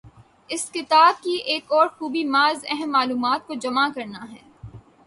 اس کتاب کی ایک اور خوبی بعض اہم معلومات کو جمع کرنا ہے۔